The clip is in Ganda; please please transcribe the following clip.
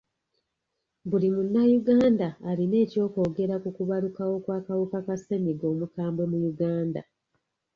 Buli munnayuganda alina ekyokwogera ku kubalukawo kw'akawuka ka ssenyiga omukambwe mu Uganda.